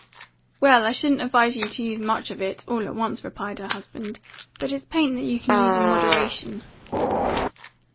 "Well, I shouldn't advise you to use much of it all at once," replied her husband. "But it's paint that you can use in moderation."